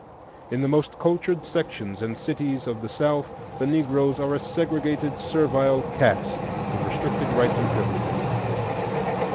In the most cultured sections and cities of the South the Negroes are a segregated servile caste, with restricted rights and privileges.